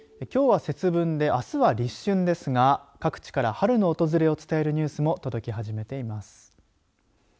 きょうは節分であすは立春ですが各地から春の訪れを伝えるニュースも届き始めています。